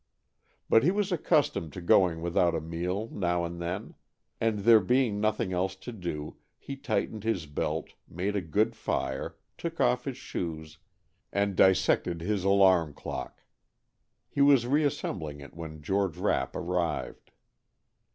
But he was accustomed to going without a meal now and then, and there being nothing else to do, he tightened his belt, made a good fire, took off his shoes, and dissected his alarm clock. He was reassembling it when George Rapp arrived.